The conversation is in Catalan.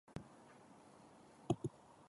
Va reaccionar amb violència?